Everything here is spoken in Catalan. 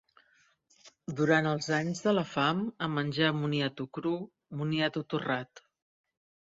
Durant els anys de la fam a menjar moniato cru, moniato torrat…